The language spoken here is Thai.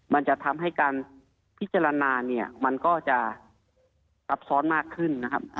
มันจะทำให้การพิจารณาเนี่ยมันก็จะซับซ้อนมากขึ้นนะครับ